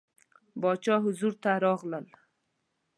د باچا حضور ته راغلل.